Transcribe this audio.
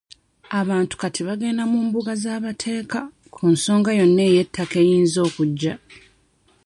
Abantu kati bagenda mu mbuga z'amateeka ku nsonga yonna ey'amateeka eyinza okujja.